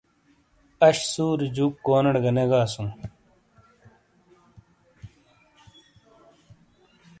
اش سُوری جُوک کونیڑے گہ نے گاسوں۔